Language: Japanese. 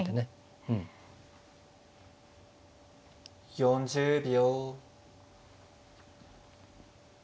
４０秒。